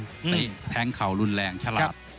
เตะแท้งเข่ารุนแรงชะละ